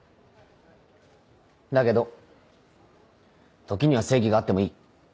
だけど時には正義があってもいい。